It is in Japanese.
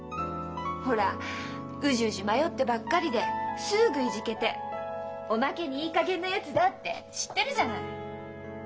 ほらウジウジ迷ってばっかりですぐいじけておまけにいいかげんなやつだって知ってるじゃない。